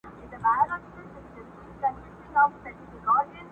چي لاسونه ماتوم د زورورو.!